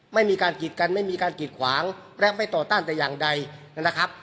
ไม่มีการกีดกันไม่มีการกีดขวางและไม่ต่อต้านแต่อย่างใดนะครับ